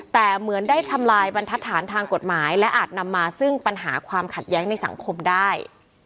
แต่เหมือนได้ทำลายบรรทัศน์ทางกฎหมายและอาจนำมาซึ่งปัญหาความขัดแย้งในสังคมได้